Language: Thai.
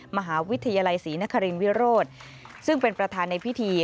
มหาวิทยาลัยศรีนครินวิโรธซึ่งเป็นประธานในพิธี